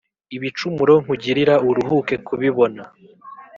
Ibicumuro nkugilira Uruhuke kubibona